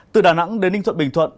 từ đà nẵng đến ninh thuận bình thuận